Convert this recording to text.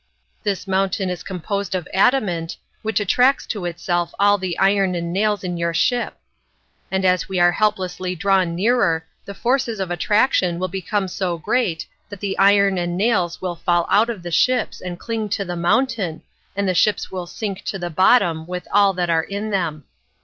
This mountain is composed of adamant, which attracts to itself all the iron and nails in your ship; and as we are helplessly drawn nearer, the force of attraction will become so great that the iron and nails will fall out of the ships and cling to the mountain, and the ships will sink to the bottom with all that are in them.